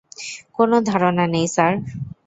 কোন ধারণা নাই, স্যার!